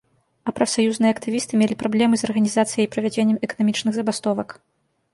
А прафсаюзныя актывісты мелі праблемы з арганізацыяй і правядзеннем эканамічных забастовак.